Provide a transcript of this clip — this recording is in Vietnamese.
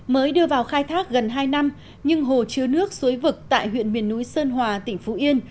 mới đưa vào khai thác gần hai năm nhưng hồ chứa nước suối vực tại huyện miền núi sơn hòa tỉnh phú yên